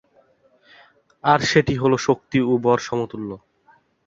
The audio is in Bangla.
আর সেটি হল শক্তি ও ভর সমতুল্য।